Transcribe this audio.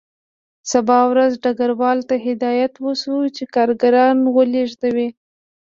سبا ورځ ډګروال ته هدایت وشو چې کارګران ولېږدوي